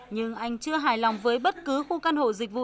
nhưng anh chưa hài lòng với bất cứ khu căn hộ dịch vụ